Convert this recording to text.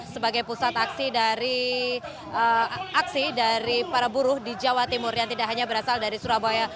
sebagai pusat aksi dari aksi dari para buruh di jawa timur yang tidak hanya berasal dari surabaya